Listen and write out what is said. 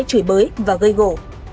chửi bới và gây gỗ